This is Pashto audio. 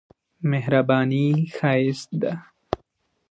مهرباني ښايست ده.